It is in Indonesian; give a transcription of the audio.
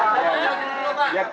pak sini pak